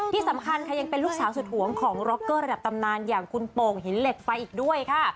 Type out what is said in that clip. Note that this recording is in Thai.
ที่สำคัญค่ะยังเป็นลูกสาวสุดหวงของร็อกเกอร์ระดับตำนานอย่างคุณโป่งหินเหล็กไฟอีกด้วยค่ะ